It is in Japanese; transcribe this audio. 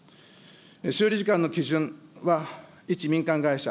修理時間の基準は、一民間会社、